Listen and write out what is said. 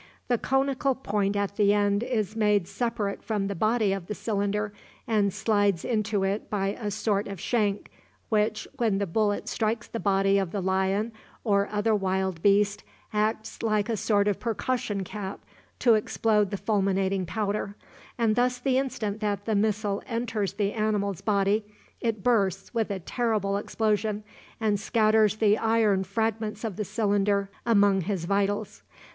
The conical point at the end is made separate from the body of the cylinder, and slides into it by a sort of shank, which, when the bullet strikes the body of the lion or other wild beast, acts like a sort of percussion cap to explode the fulminating powder, and thus the instant that the missile enters the animal's body it bursts with a terrible explosion, and scatters the iron fragments of the cylinder among his vitals.